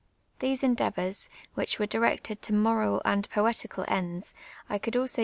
niese endeavours, which were directed to moral and poetical ends, I could also u.